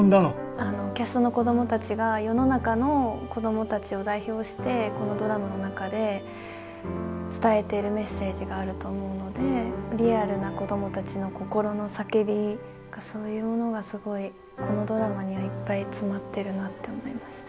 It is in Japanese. あのキャストの子どもたちが世の中の子どもたちを代表してこのドラマの中で伝えてるメッセージがあると思うのでリアルな子どもたちの心の叫びがそういうものがすごいこのドラマにはいっぱい詰まってるなって思いました。